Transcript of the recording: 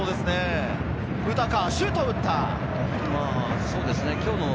ウタカ、シュートを打った。